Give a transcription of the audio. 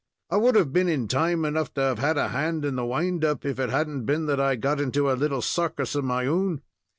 I would have been in time enough to have had a hand in the wind up, if it hadn't been that I got into a little circus of my own.